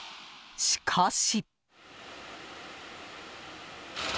しかし。